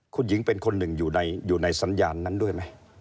คุณหญิงเป็นคนหนึ่งอยู่ในสัญญาณนั้นด้วยไหม